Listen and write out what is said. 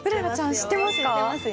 知ってますよ。